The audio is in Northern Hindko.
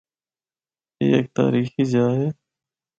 اے ہک تاریخی جا اے۔